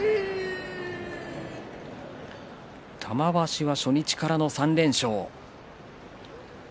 玉鷲は初日からの３連勝。